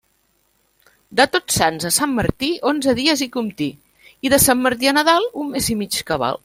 De Tots Sants a Sant Martí, onze dies hi comptí, i de Sant Martí a Nadal, un mes i mig cabal.